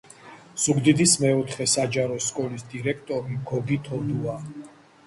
ზუგდიდის მეოთხე საჯარო სკოლის დირექტორია გოგი თოდუა